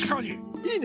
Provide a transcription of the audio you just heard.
いいね！